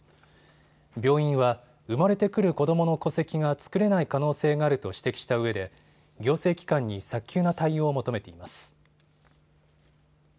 病院は生まれてくる子どもの戸籍が作れない可能性があると指摘したうえで行政機関に早急な対応を求めています。